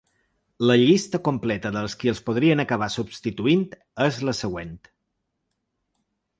La llista completa dels qui els podrien acabar substituint és la següent.